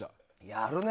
やるね！